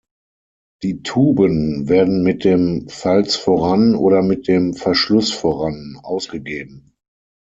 Die Tuben werden mit dem Falz voran oder mit dem Verschluss voran ausgegeben.